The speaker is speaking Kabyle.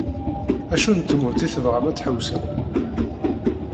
Acu n tmurt i tebɣam ad d-tḥewṣem?